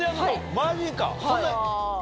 マジか。